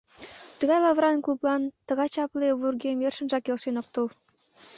Тыгай лавыран клублан тыгай чапле вургем йӧршынак келшен ок тол.